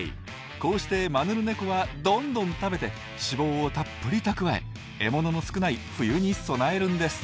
こうしてマヌルネコはどんどん食べて脂肪をたっぷり蓄え獲物の少ない冬に備えるんです。